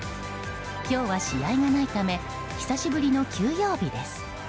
今日は試合がないため久しぶりの休養日です。